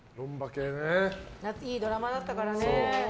いいドラマだったからね。